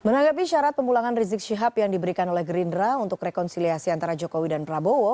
menanggapi syarat pemulangan rizik syihab yang diberikan oleh gerindra untuk rekonsiliasi antara jokowi dan prabowo